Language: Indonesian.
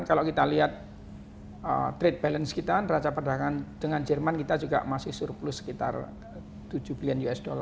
kalau kita lihat trade balance kita neraca perdagangan dengan jerman kita juga masih surplus sekitar tujuh bilion usd